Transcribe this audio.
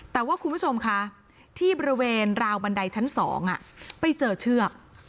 แต่ว่าคุณผู้ชมคะที่บริเวณราวบันไดชั้น๒ไปเจอเชือก